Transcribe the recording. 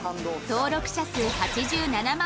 登録者数８７万